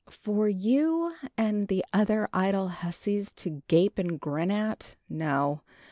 " for you and the other idle hussies to gape and grin at? No.